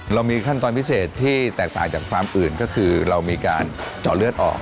เรามีขั้นตอนพิเศษที่แตกต่างจากฟาร์มอื่นก็คือเรามีการเจาะเลือดออก